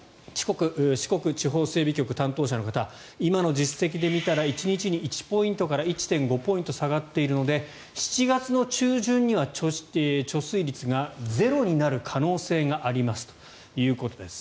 四国地方整備局の担当者の方今の実績で見たら１日に１ポイントから１．５ポイント下がっているので７月の中旬には貯水率がゼロになる可能性がありますということです。